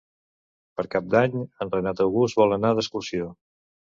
Per Cap d'Any en Renat August vol anar d'excursió.